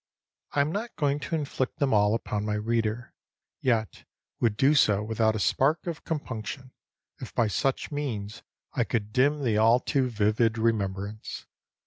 I am not going to inflict them all upon my reader, yet would do so without a spark of compunction, if by such means I could dim the all too vivid remembrance.